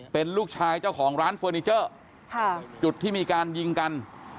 เป็นลูกชายเจ้าของร้านเฟอร์นิเจอร์จุดที่มีการยิงกัน